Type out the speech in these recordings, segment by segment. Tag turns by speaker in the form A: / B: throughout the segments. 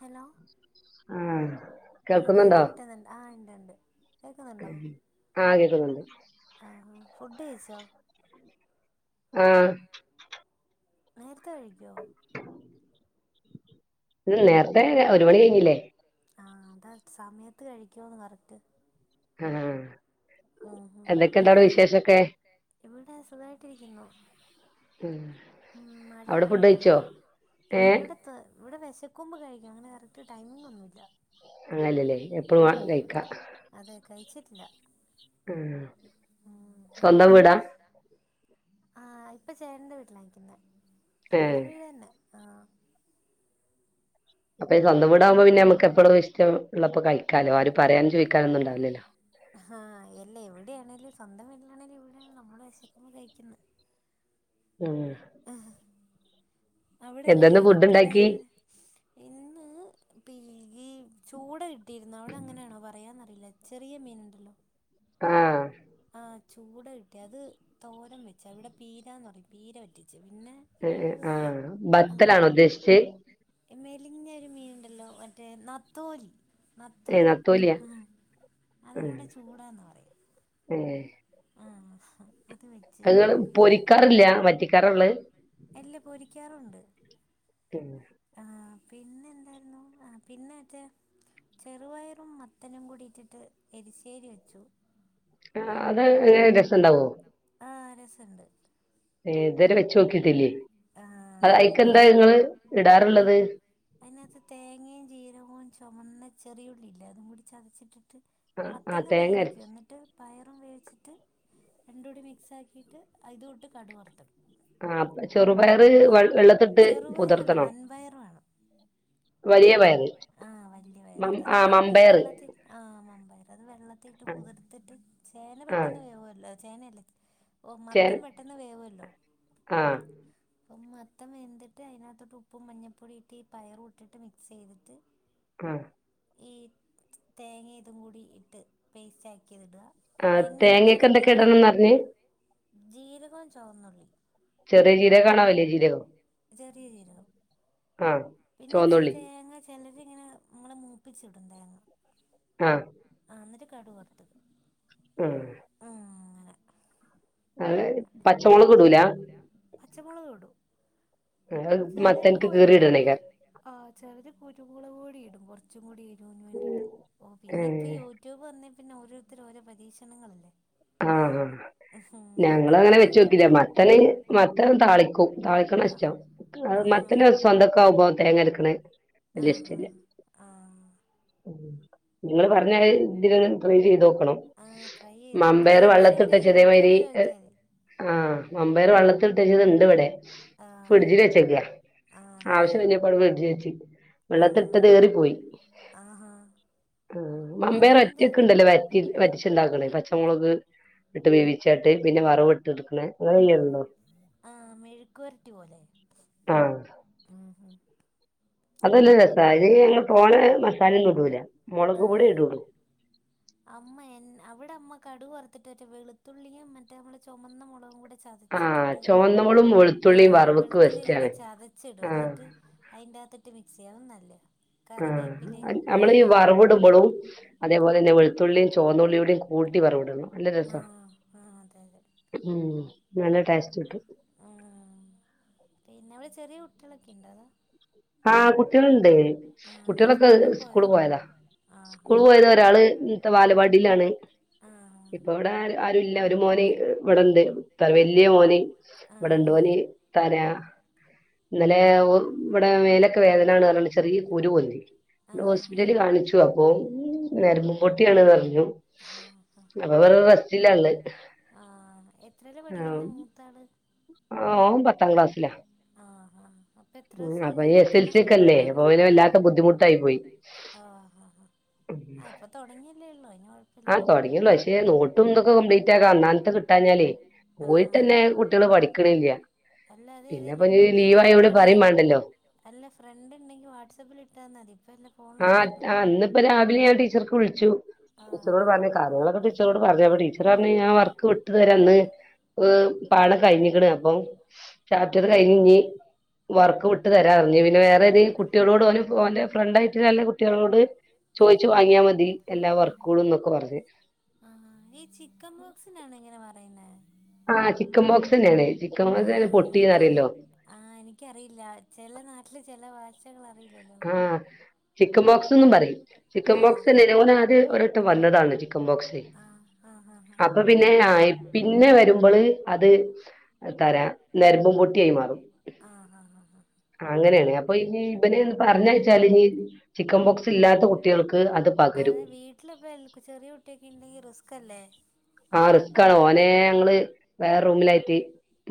A: Hello. ആ കേൾക്കാൻ പറ്റുന്നുണ്ട്. ആ ണ്ട്, ണ്ട്.
B: ആ കേക്കുന്നുണ്ട്.
A: ആ ആ. ഫുഡ് കഴിച്ചോ?
B: ആഹ
A: നേരത്തെ കഴിക്കോ?
B: ഇല്ല നേരത്തെ ഒരു മണി കഴിഞ്ഞില്ലേ?
A: ആഹ. അതാ സമയത്ത് കഴിക്കോന്ന് കറക്റ്റ്?
B: ആഹ
A: ആ ഉം ന്നട്ട് ഇവിടെ സുഖായിട്ടിരിക്കുന്നു. ഉം മഴയൊക്കെ ഉണ്ടായിരുന്നു ഇല്ല ഇവിടത്തെ ഇവിടെ വിശക്കുമ്പ കഴിക്കും. അങ്ങനെ കറക്റ്റ് ടൈമിങ് ഒന്നുല്ല.
B: അങ്ങനെല്ലലെ? എപ്പഴും വാണങ്കെ കഴിക്കാ.
A: അതെ കഴിച്ചിട്ടില്ല.
B: ഉം
A: എന്ത്വായിരുന്നു അസുഖം? ആ ഇപ്പൊ ചേട്ടന്റെ വീട്ടിലാ നിക്കുന്നെ സ്വന്തം വീടെന്നെ ആഹ.
B: അപ്പൊഈ സ്വന്തംവീടാകുമ്പോ പിന്നെ നമക്ക് എപ്പളും ഇഷ്ടംള്ളപ്പോ കഴിക്കാലോ? ആര് പറയാനും ചോയിക്കാനോന്നുംണ്ടാവില്ലല്ലോ?
A: ആഹ എല്ല എവിടെണേലും സ്വന്തം വീട്ടിലാണെലും എവിടെണേലും നമ്മൾ വിശക്കുമ്പോ കഴിക്കുന്ന്
B: ഉം
A: ആ അവിടെങ്ങനെ? കറക്റ്റ് ടൈമിന് ഇന്ന് പിഈ ചൂട് കിട്ടിയിരുന്ന അവിടെ അങ്ങനെയാണോ പറയാന്നറിയില്ല ചെറിയ മീൻണ്ടല്ലോ?
B: ആഹ
A: ആ ചൂട കിട്ടി അത് തോരം വെച്ച് ഇവിടെ പീരന്ന് പറയും പീര വറ്റിച്ച് പിന്നെ
B: ആ ബത്തലാണോ ഉദ്ദേശിച്ചത്?
A: മെലിഞ്ഞ ഒരു മീൻണ്ടല്ലോ മറ്റേ നത്തോലി നത്തോലി ആഹ് അതിനിവിടെ ചൂടാന്ന് പറയി
B: എഹ്
A: ആഹ് അത് വെ
B: അത് ങ്ങള് പൊരിക്കാറില്ല വറ്റിക്കാറുള്ള
A: അല്ല പൊരിക്കാറുണ്ട്
B: [inaudible]
A: ആഹ് പിന്നെ എന്തായിരുന്നു ആഹ് പിന്നെ മറ്റേ ചെറപയറും മത്തനും കൂടിയിട്ടിട്ട് എരിശേരി വെച്ചു
B: അത് രസം ണ്ടാവോ?
A: ആഹ് രസമുണ്ട്
B: തുവരെ വെച്ചു നോക്കിട്ടില്ലേ അത് അ ഐക്കെന്താ നിങ്ങള് ഇടാറുള്ളത്
A: അതിനകത്ത് തേങ്ങയും ജീരകവുംവും ചുമന്ന ചെറിയുള്ളില്ല അതും കൂടി ചതച്ചിട്ടിട്ട് മത്തെങ്ങ വേവിക്കും എന്നിട്ട് പയറും വേവിച്ചിട്ട് രണ്ടും കൂടി മിക്സ് ആക്കിയിട്ട് അതൂട്ട് കടു വറുത്ത്
B: ആഹ് ചെറുപയറ് വെള്ളത്തിട്ട് പൊതർത്തണോ? വലിയ പയറ്
A: ആഹ് വല്യ പയര് അത് വ അത് വെള്ളത്തി ആ മമ്പയർ അത് വെള്ളത്തിട്ട് കുതിർത്തിട്ട് ചേന പെട്ടെന്ന് വേവല്ലോ ചേനയല്ലേ ഓ മൊത്തം പെട്ടെന്ന് വേവല്ലോ
B: ആഹ്
A: അപ്പം മൊത്തം വെന്തിട്ട് അതിനകത്തോട്ട് ഉപ്പും മഞ്ഞൾപ്പൊടിയിട്ട് പയറ ഇട്ടിട്ട് മിക്സ് ചെയ്തിട്ട്
B: ആഹ്
A: ഈ തേങ്ങ ഇതും കൂടി ഇട്ട് പേസ്റ്റ് ആക്കിത്ടുക ഭയങ്കരായിട്ട് അരക്കണ്ട ജീരകം ചൊവന്നുള്ളി
B: ചെറിയ ജീ
A: ചെറിയ ചീരക പിന്നെ ഇച്ചിരി തേങ്ങ ചിലരി ഇങ്ങനെ നമ്മൾ മൂപ്പിച്ചു ഇടും തേങ്ങ്
B: ആഹ്
A: ആഹ് ന്നിട്ട കടക് വർത്ത്
B: ഉം
A: ഉം
B: അതെ
A: പച്ചമുളക് ഇടും ചിലര് കുരുമുളക് ഇടും ആഹ് ചെലര് കുരുമുളക്‌ കൂടി ഇടും കുറച്ചും കൂടി ഇരുന് വേണ്ടീട്ട് ഓ പിന്നെ ഇപ്പ യൂട്യൂബ് വന്നേ വന്ന പിന്നെ ഒരോര്ത്തര് ഒരോ പരീക്ഷണങ്ങളല്ലേ
B: വെച്ചോക്കില്ല മത്തന് മത്തൻ താളിക്കും തളിക്കുന്ന താ ഇഷ്ടം മത്തൻ സ്വന്തം ക്കവുപോ തേങ്ങ അരക്ക്ണെ
A: ആഹ് ഹ ആഹ്
B: നിങ്ങൾ പറഞ്ഞാ ഇതിലൊന്ന് ട്രൈ ചെയ്ത് നോക്കണം
A: ആ ട്രൈ ചെയ്ത് നോക്ക് സംശയം ഉണ്ടേൽ യൂട്യൂബിൽ നോക്കിയാ മതി
B: ആഹ് മമ്പേർ വെള്ളത്തിൽ ഇട്ട് വെച്ചത് ഇണ്ട് ഇവിടെ ഫ്രിഡ്ജിൽ വെച്ചക്കാ ആവശ്യം കഴിഞ്ഞപ്പോ ഫ്രിഡ്ജിൽ വെച്ചു വെള്ളത്തീട്ടത് ഏറി പോയി ആഹ് മമ്പേർ ഒറ്റൊക്കെ ഇണ്ടല്ലേ വറ്റ വറ്റച്ചുണ്ടാക്കണേ പച്ചമുളക് ഇട്ട് വേവിച്ചാട്ട് പിന്നെ വറവ് ഇട്ട് എടുക്കണ അങ്ങനൊല്ലോ
A: ആഹ് മെയ് - മേയുക്ക് പരട്ടി പോലെ ഉം ഉം
B: അതല്ല രസാ അയിൽ ഞങ്ങൾ തോനേ മസാല ഒന്നും ഇടൂല മുളക് കൂടി ഇടള്ളൂ
A: അമ്മ അവിടെ അമ്മ കടു വറുത്തിട്ട് പറ്റ വെളുത്തുള്ളിയും മറ്റേ നമ്മള് ചുമന്ന മുളകും കൂടെ ചതച്ചിട്ടിട്ട് ആഹ് വെളുത്തുള്ളിയും കൂടി ചതച്ചി ഇടും ന്നിട്ട് അതിന്റെകത്തിട്ട് മിക്സിയാവും നല്ല കറിവേപ്പിലേ ഉം നമ്മളീ വറവ് ഇടുമ്പളും
B: അതേപോലെന്ന വെളുത്തുള്ളി ചോന്നുള്ളിയുടി കൂട്ടി വറവിടണം
A: ആഹ് ആഹ് അതെ അതെ
B: ഉം നല്ല ടേസ്റ്റ് കിട്ടും
A: ആഹ് പിന്നെ അവടെ ചെറിയ കുട്ടികളൊക്കെണ്ടോ അതോ
B: ആഹ് കുട്ടികളുണ്ടേ കുട്ടികളൊക്കെ സ്കൂള് പോയതാ സ്കൂള് പോയത ഒരാള് ഇൻത്ത വാലവാടിയിലാണ് ഇപ്പ ഇവടെ ആരുല്ല ഒരു മോന് ഇവടണ്ട് വല്ല്യേ മോന് ഇവിടണ്ട് ഓന് തരാ ഇന്നലേ ഓം ഇവടെ മേലൊക്കെ വേദനാണ് അറ്ഞ്ഞാണ്ട് ചെറി കുരു പൊന്തി ഹോസ്പിറ്റല് കാണിച്ചു അപ്പൊ നരമ്പു പൊട്ടിയാണ് പറഞ്ഞു അപ്പൊ വടെ റെസ്റ്റിലാള്ള
A: ആഹ് എത്രേലാ പഠിക്കുന്ന മൂ താള്
B: ആഹ് ഓം പത്താം ക്ലാസ്‌ലാ
A: ആഹ്
B: ഉം അപ്പൊ ഈ എസ് എൽ സി ഒക്കല്ലേ അപ്പൊ ഓന് വല്ലാത്ത ബുദ്ധിമുട്ടായി പോയി
A: ആഹ് ഹാ ഹാ അഹ് ഇപ്പൊ തുടങ്ങിയല്ലേ ഉള്ളൂ അയിന് കൊഴ
B: ആഹ് തൊടങ്ങ തുടങ്ങിയൊള്ളൂ പക്ഷെേ നോട്ടും തൊക്കെ കംപ്ലീറ്റ് ആകാം അന്നാന്നത്തെ കിട്ടാഞ്ഞാലേ പോയിട്ട് തന്നെ കുട്ടികള് പഠി ക്ക്നില്ല
A: അല്ല അത് ഏതെലും ഒരു കുട്ടീനോട് ഫ്രണ്ട് പറയും വാണ്ടല്ലൊ അല്ല ഫ്രണ്ട് ണ്ടെങ്കി വാട്സആപ്പില്ട്ടന്നാതി ഇപ്പെല്ല
B: ആഹ് ആഹ് ഇന്ന്പ്പ രാവിലെ ഞാൻ ടീച്ചർക്ക് വിളിച്ചു ടീച്ചറോട് പറഞ്ഞ് കാര്യങ്ങളൊക്കെ ടീച്ചറോട് പറഞ്ഞ് അപ്പ ടീച്ചർ പറഞ്ഞത് ഞാൻ വർക്ക് വിട്ട് തരാന്ന് വ് പാടം കഴിഞ്ഞിക്ക്ണ് അപ്പൊ ചാപ്റ്റർ കഴിഞ്ഞ്ഞ്ഞി വർക്ക് വിട്ട് തരാറിഞ്ഞു പിന്നെ വേറെ ഏതേ കുട്ടികളോട് ഓന് ഓൻ്റെ ഫ്രണ്ടായി നല്ല കുട്ടികളോട് ചോയിച്ചു വാങ്ങിയാ മതി എല്ലാ വർക്കുകളുംന്നൊക്കെ പറഞ്ഞ്
A: ആഹ് ഈ ചിക്കൻ ബോക്സിനാണ് ഇങ്ങനെ പറയുന്നേ
B: ആഹ് ചിക്കൻ ബോക്സെന്നേണ് ചിക്കൻ പോക്സ് അതാ പൊട്ടിയന്നറിയല്ലോ
A: ആഹ് എനിക്കറിയില്ല ചെല നാട്ടില് ചെല ഭാ ഷകളറിയില്ലല്ലോ
B: ആഹ് ചിക്കൻ ബോക്സ് ന്നും പറയും ചിക്കൻ ബോക്സന്നേ ഓന് ആദ്യം ഒരു വട്ടം വന്നതാണ് ചിക്കൻ ബോക്സ് സേ അപ്പൊ പിന്നെആഹ് പിന്നെ വരുമ്പള് അത് ഒരുതരാ നെരമ്പും പൊട്ടിയായി മാറും
A: ആഹ് ഹാ ഹാ ഹാ
B: ആഹ് അങ്ങെനേണ് അപ്പൊ ഇജി ഇബനെന്ന് പറഞ്ഞെയച്ചാല് ഇഞ്ഞി ചിക്കൻ ബോക്സ് ഇല്ലാത്ത കുട്ടികൾക്ക് അത് പകരും
A: വീട്ടിലെപ്പോ ഇല് ളേ ചെറിയ കുട്ടിയൊക്കെ ഇണ്ടെങ്കി റിസ്കല്ലേ
B: ആഹ് റിസ്കാണ് ഓനെ ഞങ്ങള് വേറെ റൂമിലായിട്ട്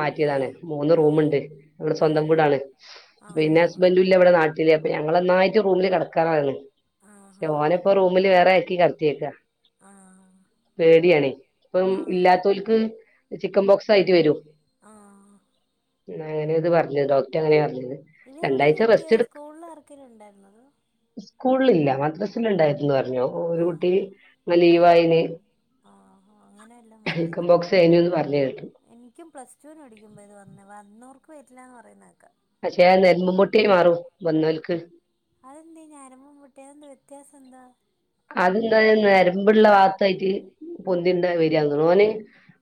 B: മാറ്റിയതാണ് മൂന്ന് റൂമ്ണ്ട്. ഇവിടെ സ്വന്തം വീടാണ്, പിന്നെ ഹസ്ബൻ്റുല്ല്യാ ഇവിടെ നാ ട്ടില് അപ്പൊ ഞങ്ങളൊന്നായിട്ട് റൂമില് കടക്കാറാണ് ക്ഷേ, ഓനൊപ്പം റൂമില് വേറെ ആക്കി കിടത്തിയേക്കാ പേടിയാണേ ഉം ഇല്ലാത്തോൽക്ക് ചിക്കൻ ബോക്സ് ആയിട്ട് വെരും അങ്ങനെ ഇത് പറഞ്ഞത്! ഡോക്റ്റ അങ്ങനെ പറഞ്ഞത്
A: ഇനി എവിട്ന്ന് കിട്ടിയതാ സ്കൂളിൽ ആർക്കെലും ഉണ്ടായിരുന്നോത്
B: സ്കൂളില്ല, മദ്രസിൽ ഇണ്ടായിരുന്നു പറഞ്ഞു. ഒരു കുട്ടി ഇന്ന് ലീവായിന്
A: ആഹാ അങ്ങനെ എല്ലാം വന്നേനി എനിക്കും പ്ലസ്റ്റുന്പഠിക്കുമ്പോ ഇത് വന്നെ വന്നോർക്ക് വരില്ല എന്ന് പറയുന്നത് കേക്കാം
B: പക്ഷേ നെര്മ്പുംപൊട്ടിയായിമാറും വന്നോൽക്ക്
A: അതെന്ത് ഞെരമ്പും പൊട്ടി, അതെന്താ വ്യത്യാസം എന്താ
B: അത്ന്താ നെരമ്പുള്ള ഭാഗത്തായിട്ട് പൊന്തിണ്ടായ് വര്യാന്ന് ഓന്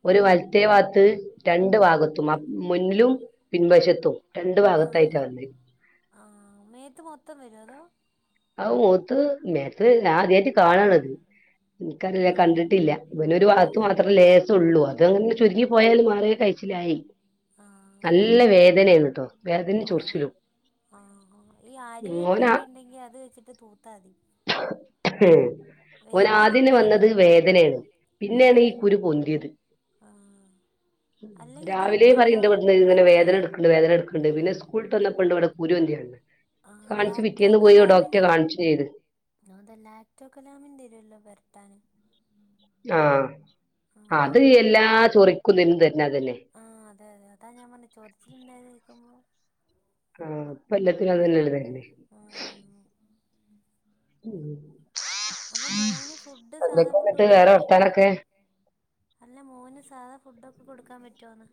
B: ഒരു വല്ത്തെ ബാത്ത് രണ്ട് ഭാഗത്തും അ മുൻലും പിൻവശത്തും രണ്ടു ഭാഗത്തായിട്ട വന്നേ
A: ആഹ് മേത്ത് മൊത്തം വരൊ അതോ
B: ഔവ് ഒത് മേത്ത് ഞാനാദ്യായിട്ട് കാണണത് ഇൻക്കറില കണ്ടിട്ടില്ല ഇവനൊരു വാകത്ത് മാത്രം ലേസം ഒള്ളൂ അത് അങ്ങ് ചുരുങ്ങിപോയാൽ മാറിയാ കയ് ച്ചിലായി നല്ല വേദനേണ്ട്ടോ വേദനേം ചൊർച്ചിലും
A: ആഹ് ഈ ആരിവേപ്പിലൊക്കെ ഉണ്ടെങ്കി അത് വെച്ചിട്ട് തൂത്താതി
B: [unintelligible] ഓന് ആദ്യന്നെ വന്നത് വേദെനേണ് പിന്നെണ് ഈ കുരു പൊന്തിയത് രാവിലെ പറയ്ണ്ട് ഇവിട്ന്ന് ഇങ്ങനെ വേദെനെട്ക്ക ണ്ട് വേദന എട്ക്ക്ണ്ട് പിന്നെ സ്കൂള് വിട്ടെന്നപ്പണ്ട് ഇവ്ടെ കുരുപ്പൊന്തിയാണ്ട് കാണ്ച്ച് പിറ്റേന്ന് പോയി ഡോക് കാൺച്ചും ചെയ്ത്
A: ഞാന്തോ ലാക്റ്റോകലാമിന്റെറ്റില്ലല്ലോ വെർട്ടാന്
B: ആഹ് അത് എല്ലാ ചൊറിക്കുന്നും ഇതി നുക്കെ തർന്നെ അതെന്നേ
A: ആഹ് അതെ അതെ അതാ ഞാമ്പർഞ്ഞെ ചൊറിച്ചിലിണ്ടായിത് തേക്കുമ്പോ
B: ആഹ് ഇപ്പൊ എല്ലാത്തിനും അതന്നെല്ലെ തെർന്നേ
A: അപ്പൊ മോന് ഫുഡ്ഡ് സാധാ ഫുഡ്ഡ് കൊടുക്കാ പറ്റോ അല്ല മോന് സാധ ഫുസ്സാക്കെ കൊടുക്കാൻ പറ്റോന്ന്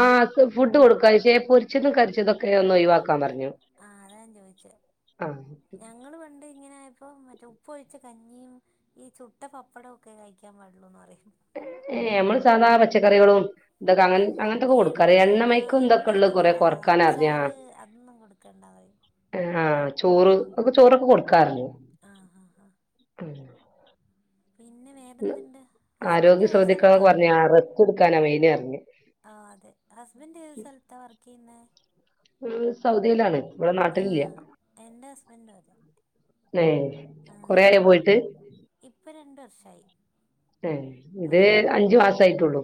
B: ആഹ് ഫുഡ് കൊടുക്കാം പക്ഷേ പൊരിച്ചതും കരിച്ചൊതൊക്കേ ഒന്ന് ഒയിവാക്കാൻ പർഞ്ഞു
A: ആഹ് അതാഞാൻ ചോയിച്ചേ ഞങ്ങള് പണ്ട് ഇങ്ങെനെ ഇപ്പൊ മറ്റേ ഉപ്പൊഴിച്ച കഞ്ഞീം ഈ ചുട്ടപ്പടൊക്കെ കഴിക്കാൻ പാടുള്ളൂ പറയും ആഹ് ഈഎണ്ണ ആഹ് എണ്ണ അധികം ആഹ് അച്ചാറ് അതൊന്നും കൊടുക്കണ്ടാ പറയും
B: ഏഹ് ആഹ ചോറ് ഒക്കെ ചോറൊക്കെ കൊടുക്കാറഞ്ഞു
A: അഹാഹാ
B: ഉം
A: പിന്നെ വേറെന്ത്ണ്ട് ഹസ്ബൻന്റേത് സ്ഥലത്താ? ആഹ് അതെ ഹസ്ബന്റേത് സ്ഥലത്താ വർക്കേയ്യുന്നെ?
B: ഉം സൗദിലാണ്.
A: ആഹ് എന്റെ ഹസ്ബന്റും അതെ.
B: നെ
A: ആഹ് ഇപ്പ രണ്ട്ർഷായി
B: ഏഹ് ഇതേ അഞ്ച് മാസായിട്ടുള്ളു.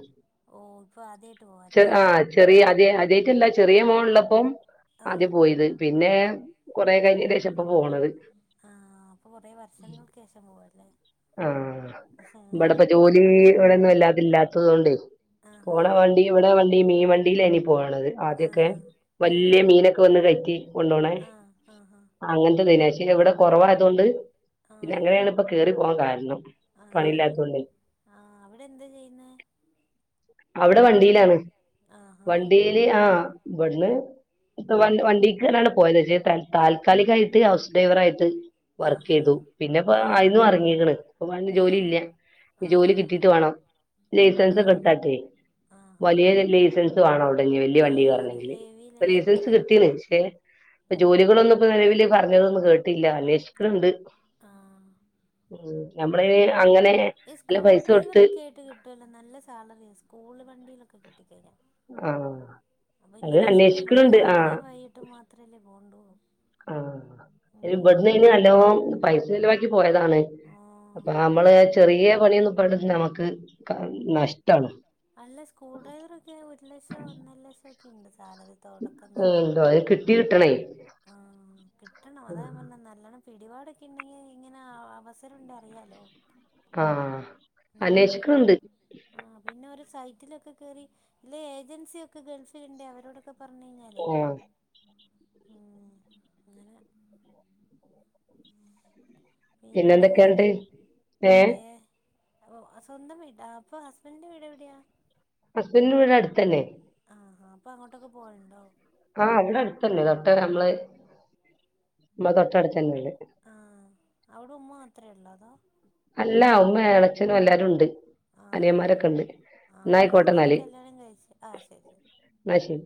A: ഓഹ് ഇപ്പൊ ആദ്യാട്ട് പോവാ
B: ചെറി ആഹ് ചെറിയ അതെ ആദ്യാ ആദ്യായിട്ടല്ല ചെറിയ മോളിള്ളപ്പോം ആദ്യം പോയത്. പിന്നെ കൊറെ കഴിഞ്ഞേനേഷ ഇപ്പൊ പോണത്.
A: ആഹ് അപ്പൊ കൊറേ വർഷങ്ങൾക്കേഷം പോവാല്ലെ?
B: ആഹ് ഇവിടപ്പ ജോലി ഇവടൊന്നും വല്ലാതില്ലാത്തോണ്ടെ പോണാ വണ്ടി. ഇവിടെ വണ്ടി മീവണ്ടലായിനി പോവണത് ആദ്യൊക്കെ വല്യ മീനൊക്കെ വന്ന് കയറ്റി കൊണ്ടോണെ
A: ആഹ് ആഹാ
B: അങ്ങനത്തെ ദിനാശരി ഇവടെ കൊറവായതോണ്ട് പിന്നെ അങ്ങനെയാണ് ഇപ്പ കേറി പോവാകാരണം പണിയില്ലാത്തോണ്ടൊ അവടെ വണ്ടീലാണ് വണ്ടി ണ്ടീല് ആസ് ഇവട്ന്ന് വ വണ്ടീകാണ് പോയത് ക്ഷേ താൽക്കാലികായിട്ട് ഹൗസ് ഡ്രൈവർ ആയിട്ട് വർക്കെയ്തു പിന്നെപ്പ അയീന്ന് മാറി ക്കണ് ഇപ്പജോലീല്ല ജോലി കിട്ടീട്ട് വേണം ലൈസൻസൊക്കെ എടുത്താട്ടേ.. വലിയ ലൈസൻസ് വേണ അവിടിനി വലിയ വണ്ടികേറണെങ്കില് ലൈസൻസ് കിട്ട്യ ലെ ക്ഷേ ജോലികളൊന്നും ഇപ്പ നിലവില് പറഞ്ഞതൊന്നും കേട്ടില്ല അന്വേഷിക്കണണ്ട്.
A: ആഹ്.
B: ഉം ഞമ്മള് അങ്ങനെ
A: ഈ സ്കൂൾ ഡ്രൈവർ ഒക്കെ ആയിട്ട് കിട്ടുവല്ലോ നല്ല സാലറിയ സ്കൂൾ വണ്ടിയിലൊക്കെ കിട്ട കഴിഞ്ഞാൽ. അപ്പൊ പിന്ന റിസ്കും ഇല്ല രാവിലെയും വൈകിട്ട് മാത്രല്ലേ പോണ്ടു
B: ആഹ് ഇവിടന്ന് ഇന് നല്ലോ പൈസ ചിലവാക്കി പോയതാണ്. അപ്പൊ നമ്മള് ചെറിയ പണിയൊന്ന് പറയ നമുക്ക് നഷ്ടാണ്.
A: അല്ല സ്കൂൾ ഡ്രൈവറൊക്കെ ഒരു ലക്ഷോ ഒന്നര ലക്ഷം ഒക്കെ ഉണ്ട് സാലറി.
B: ഉം പൊയ കിട്ടി കിട്ടണേ
A: ആഹ് കിട്ടണം അതാ പറഞ്ഞ നല്ലണ്ണം പിടിപാടൊക്കെ ഉണ്ടെങ്കി ഇങ്ങനെ അവസരം ഉണ്ട അറിയാലോ? ഉം. ആഹ് പിന്നെ ഒരു സൈറ്റിലൊക്കെ കേയറി ഇല്ല ഏജൻസിക്കെ ഗൾഫിലുണ്ട് അവരോടൊക്കെ പറഞ്ഞു കഴിഞ്ഞാൽ
B: ആഹ്.
A: ഉം അങ്ങനേ പിന്നെ വേറെ വേ ഓഹ് സ്വന്തം വീടാ അപ്പൊ ഹസ്ബൻന്റെ വീട് എവിടെയാ?
B: ഹസ്ബന്റിടെ അടുത്തന്നെ.
A: ആഹ് ആ അപ്പൊ അങ്ങോട്ടൊക്കെ പോലുണ്ടോ?
B: ആഹ് അവിടെ അടുത്ത തന്നെ തൊട്ട നമ്മള് നമ്മ തൊട്ട അടുത്തു തന്നെണ്ട്.
A: ആഹ് അവിടെ ഉമ്മ മാത്രേ ഉള്ള അതോ?
B: അല്ല ഉമ്മേളച്ചനും എല്ലരും ഉണ്ട്.
A: ആഹ്ഹാ ആഹ എല്ലാരും കല്യാണം കഴിച്ചോ ആഹ് ശരി ശരി.
B: ന്ന ശരി.